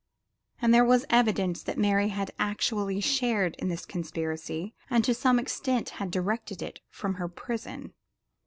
And there was evidence that Mary had actually shared in this conspiracy and to some extent had directed it from her prison.